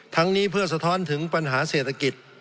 นี้เพื่อสะท้อนถึงปัญหาเศรษฐกิจ